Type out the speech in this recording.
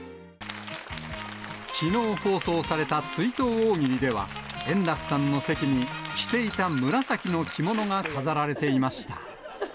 きのう放送された追悼大喜利では、円楽さんの席に、着ていた紫の着物が飾られていました。